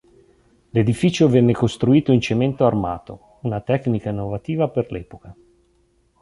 L'edificio venne costruito in cemento armato, una tecnica innovativa per l'epoca.